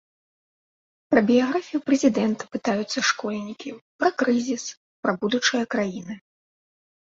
Пра біяграфію прэзідэнта пытаюцца школьнікі, пра крызіс, пра будучае краіны.